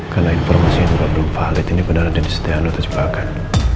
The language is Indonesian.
karena informasi ini udah belum valid ini beneran ada di setiap lo terjumpa kan